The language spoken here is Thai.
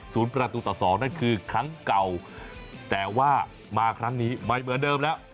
ประตูต่อสองนั่นคือครั้งเก่าแต่ว่ามาครั้งนี้ไม่เหมือนเดิมแล้ว